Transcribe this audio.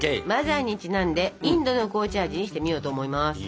マザーにちなんでインドの紅茶味にしてみようと思います。